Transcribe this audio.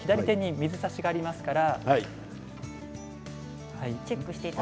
水差しがありますから。